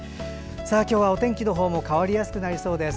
今日はお天気の方も変わりやすくなりそうです。